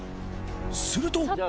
すると。